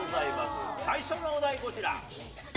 今回、最初のお題、こちら。